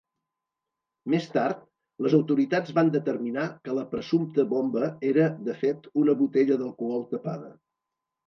Més tard, les autoritats van determinar que la presumpta bomba era de fet una botella d'alcohol tapada.